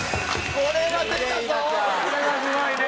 これはすごいね！